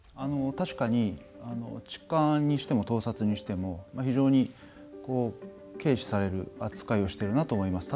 確かに痴漢にしても盗撮にしても非常に軽視される扱いをしてるなと思います。